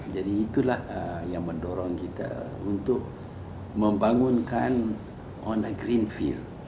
jadi itulah yang mendorong kita untuk membangunkan on a green field